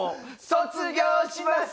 卒業します。